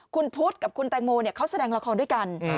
คุณพุทธกับคุณแตงโมเขาแสดงละครด้วยกัน